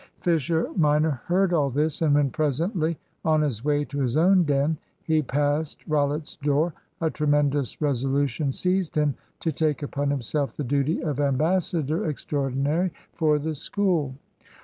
Fisher minor heard all this, and when presently, on his way to his own den, he passed Rollitt's door, a tremendous resolution seized him to take upon himself the duty of ambassador extraordinary for the School.